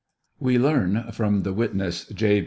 We learn from the witness J.